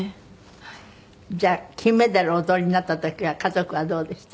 じゃあ金メダルをお取りになった時は家族はどうでした？